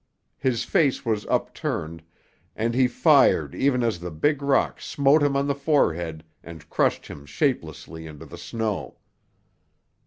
His face was upturned, and he fired even as the big rock smote him on the forehead and crushed him shapelessly into the snow.